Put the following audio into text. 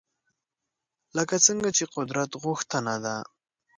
لکه څنګه چې قدرت غوښتنه ده